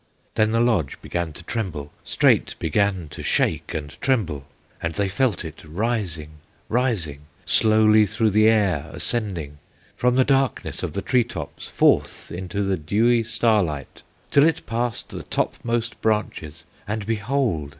"Then the lodge began to tremble, Straight began to shake and tremble, And they felt it rising, rising, Slowly through the air ascending, From the darkness of the tree tops Forth into the dewy starlight, Till it passed the topmost branches; And behold!